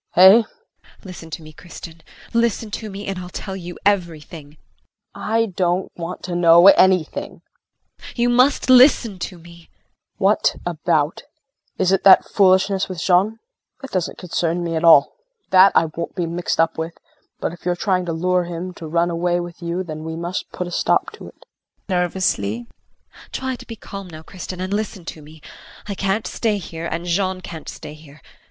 Hey? JULIE. Listen to me, Kristin, listen to me and I'll tell you everything. KRISTIN. I don't want to know anything JULIE. You must listen to me KRISTIN. What about? Is it that foolishness with Jean? That doesn't concern me at all. That I won't be mixed up with, but if you're trying to lure him to run away with you then we must put a stop to it. JULIE. Try to be calm now Kristin, and listen to me. I can't stay here and Jean can't stay here.